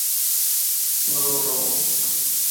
No lo robó.